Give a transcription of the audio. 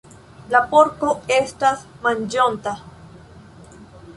La porko estas manĝonta.